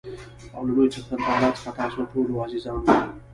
او له لوى څښتن تعالا څخه تاسو ټولو عزیزانو ته